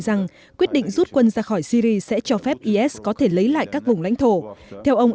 rằng quyết định rút quân ra khỏi syri sẽ cho phép is có thể lấy lại các vùng lãnh thổ theo ông